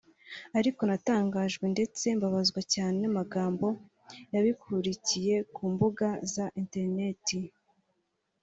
ariko natangajwe ndetse mbabazwa cyane n’amagambo yabikurikiye ku mbuga za interineti